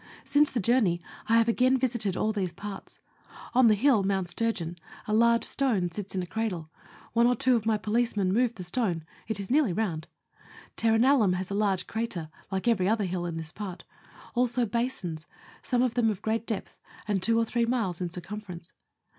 Since the journey, I have again visited all these parts. On the hill Mount Sturgeon a large stone sits in a cradle ; one or two of my policemen moved the stone ; it is nearly round. Terrin allum has a large crater, like every other hill in this part ; also basins, some of them of great depth and two and three miles in cir cumference.